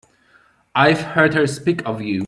I've heard her speak of you.